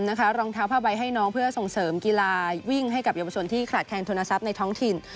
รองเท้าผ้าใบให้น้องเพื่อส่งเสริมกีฬาวิ่งให้กับเยาวชนที่ขาดแคลนทุนทรัพย์ในท้องถิ่น